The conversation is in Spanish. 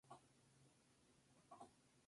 Person era hincha de Racing Club de Avellaneda.